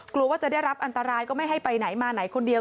กลัวว่าจะได้รับอันตรายก็ไม่ให้ไปไหนมาไหนคนเดียว